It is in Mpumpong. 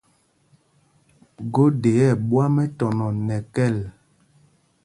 Gode ɛ̂ ɓwǎm ɛtɔnɔ nɛ kɛ́l.